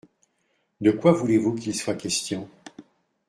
De quoi voulez-vous qu’il soit question ?